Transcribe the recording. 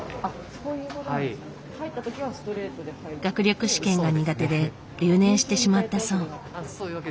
学力試験が苦手で留年してしまったそう。